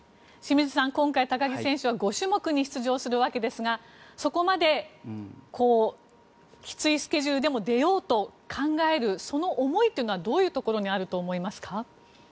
清水さん、今回高木選手は５種目に出場するわけですがそこまできついスケジュールでも出ようと考えるその思いというのはどういうところにあると思いますか？